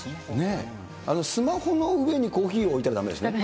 スマホの上にコーヒーを置いちゃだめですよね。